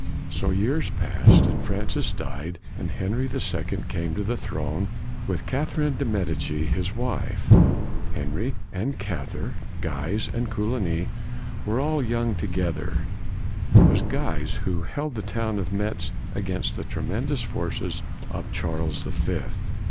So years passed, and Francis died and Henry the Second came to the throne, with Catherine de' Medici his wife. Henry and Catherine, Guise and Coligny, were all young together. It was Guise who held the town of Metz against the tremendous forces of Charles the Fifth.